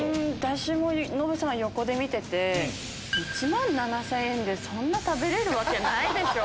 私もノブさん横で見てて１万７０００円でそんな食べれるわけないでしょ！